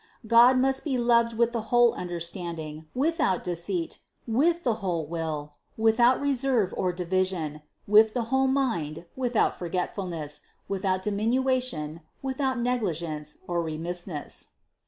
God must be loved with the whole understanding, without deceit, with the whole will, without reserve or division, with the whole mind, without forgetfulness, without diminution, without negligence or remissness.